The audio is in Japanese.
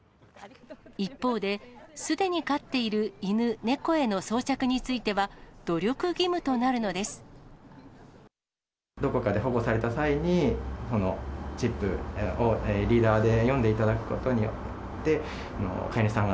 一方で、すでに飼っている犬、猫への装着については、努力義務となるのでどこかで保護された際に、このチップをリーダーで読んでいただくことによって、飼い主さん